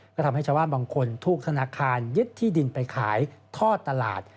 ก็ทำให้ชาวบ้านบางคนถูกธนาคารยึดที่ดินไปขายทอดตลาด